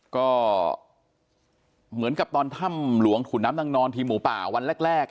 ก็เหมือนกับตอนถ้ำหลวงขุนน้ำนางนอนทีมหมูป่าวันแรก